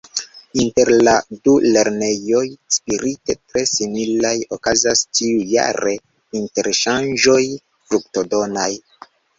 Inter la du lernejoj spirite tre similaj okazas ĉiujare interŝanĝoj fruktodonaj.